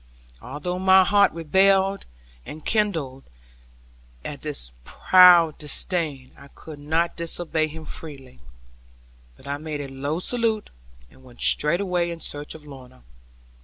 Although my heart rebelled and kindled at his proud disdain, I could not disobey him freely; but made a low salute, and went straightway in search of Lorna.